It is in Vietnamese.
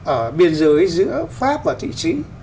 ở biên giới giữa pháp và thụy chí